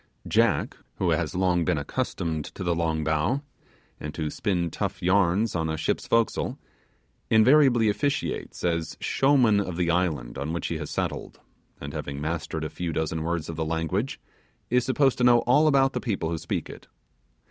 Jack, who has long been accustomed to the long bow, and to spin tough yarns on the ship's forecastle, invariably officiates as showman of the island on which he has settled, and having mastered a few dozen words of the language, is supposed to know all about the people who speak it.